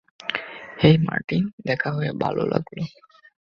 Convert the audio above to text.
হেই Martin, দেখা হয়ে ভালো লাগল।